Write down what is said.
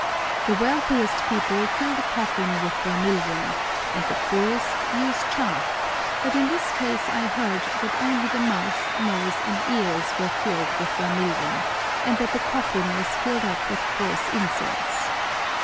The wealthiest people fill the coffin with vermilion and the poorest use chaff; but in this case I heard that only the mouth, nose, and ears were filled with vermilion, and that the coffin was filled up with coarse incense.